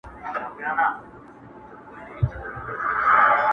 پر هوښار طوطي بې حده په غوسه سو!.